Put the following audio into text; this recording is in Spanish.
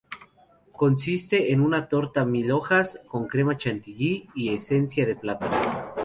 Consiste en una torta mil hojas con crema chantilly y esencia de plátano.